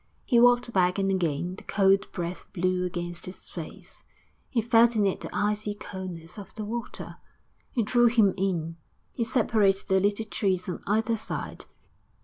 He walked back and again the cold breath blew against his face; he felt in it the icy coldness of the water. It drew him in; he separated the little trees on either side.